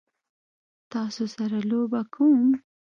تاسو سره لوبه کوم؟